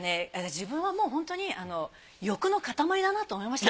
自分はもうホントに欲の塊だなと思いました。